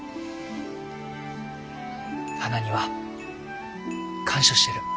はなには感謝してる。